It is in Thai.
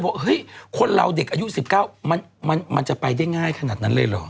เด็กอายุ๑๙มันจะไปได้ง่ายขนาดนั้นเลยเหรอ